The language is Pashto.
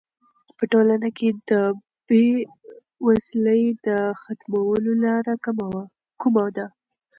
په ټولنه کې د بې وزلۍ د ختمولو لاره کومه ده؟